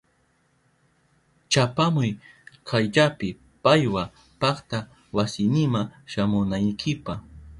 Chapamuy kayllapi paywa pakta wasinima shamunaykipa.